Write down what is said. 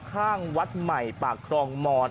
ข้างวัดใหม่ปากครองมอน